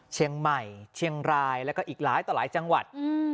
เชียงใหม่เชียงรายแล้วก็อีกหลายต่อหลายจังหวัด